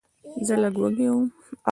زه لږ وږی وم.